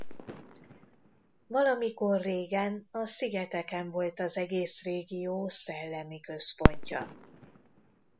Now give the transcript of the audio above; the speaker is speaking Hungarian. Valamikor régen a szigeteken volt az egész régió szellemi központja.